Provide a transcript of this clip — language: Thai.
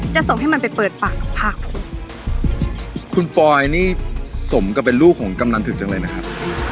จะส่งให้มันไปเปิดปากกับภาคภูมิคุณปอยนี่สมกับเป็นลูกของกำนันถึงจังเลยนะครับ